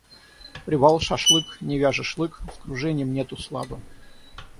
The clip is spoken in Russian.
Привал, шашлык, не вяжешь лык, с кружением нету сладу.